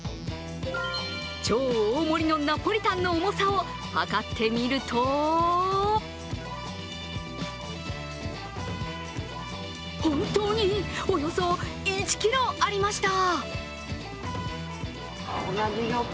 超大盛りのナポリタンの重さを量ってみると本当におよそ１ｋｇありました！